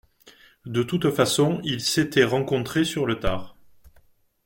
De toute façon ils s’étaient rencontrés sur le tard